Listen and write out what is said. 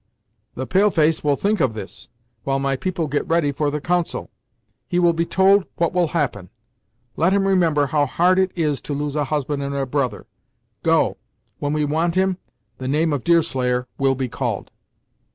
"The pale face will think of this, while my people get ready for the council. He will be told what will happen. Let him remember how hard it is to lose a husband and a brother. Go; when we want him, the name of Deerslayer will be called."